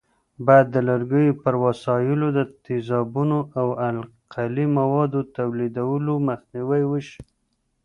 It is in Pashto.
باید د لرګیو پر وسایلو د تیزابونو او القلي موادو توېدلو مخنیوی وشي.